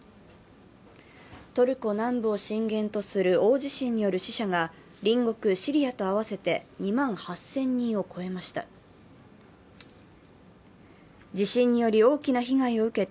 トルコ南部を震源とする大地震による死者が隣国シリアと合わせて２万８０００人を超えました。